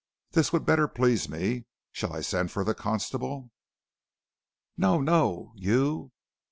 This would better please me. Shall I send for the constable?' "'No, no, you!